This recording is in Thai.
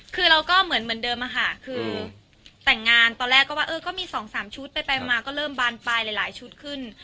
คือเราก็เหมือนเดิมค่ะคือแต่งงานตอนแรกก็ว่าเออก็มี๒๓ชุดไปมาก็เริ่มบานปลายหลายชุดขึ้น